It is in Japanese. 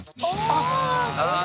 ああ。